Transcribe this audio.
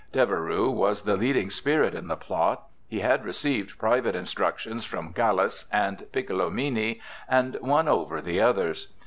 Deveroux was the leading spirit in the plot. He had received private instructions from Gallas and Piccolomini and won over the others.